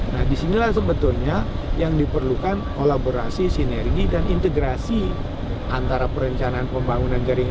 nah disinilah sebetulnya yang diperlukan kolaborasi sinergi dan integrasi antara perencanaan pembangunan jaringan